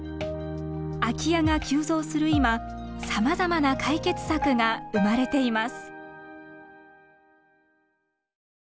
空き家が急増する今さまざまな解決策が生まれています。